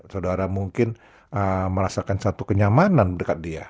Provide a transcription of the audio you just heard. saudara mungkin merasakan satu kenyamanan dekat dia